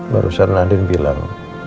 barusan andi bilang